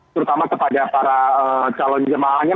terutama kepada para calon jemaahnya